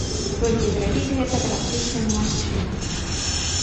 Толькі зрабіць гэта практычна немагчыма.